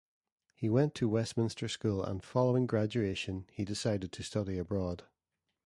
He went to Westminster School and, following graduation, he decided to study abroad.